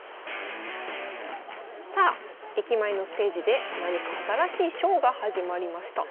さあ駅前のステージで何か新しいショーが始まりました。